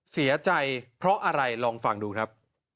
เสียใจเพราะอะไรลองฟังดูครับ